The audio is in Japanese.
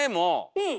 うん。